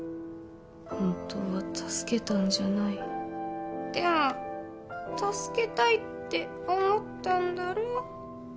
本当は助けたんじゃない「でも助けたいって思ったんだろう？」